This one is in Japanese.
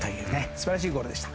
素晴らしいゴールでした。